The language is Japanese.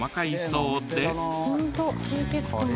ホント清潔感が。